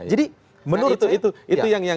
jadi menurut saya